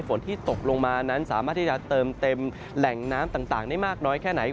ฝนที่ตกลงมานั้นสามารถที่จะเติมเต็มแหล่งน้ำต่างได้มากน้อยแค่ไหน